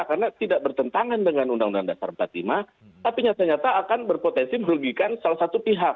karena tidak bertentangan dengan undang undang dasar empat puluh lima tapi nyata nyata akan berpotensi merugikan salah satu pihak